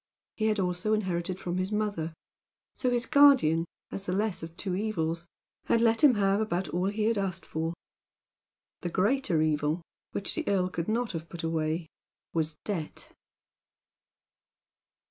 He had also inherited from his mother, so his guardian, as the less of two evils, had let him have about all he had asked for. The greater evil, which the earl could not have put away, was debt.